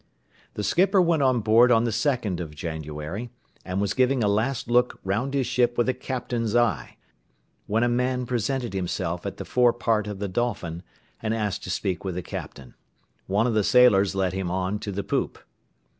The skipper went on board on the 2nd of January, and was giving a last look round his ship with a captain's eye, when a man presented himself at the fore part of the Dolphin, and asked to speak with the Captain. One of the sailors led him on to the poop.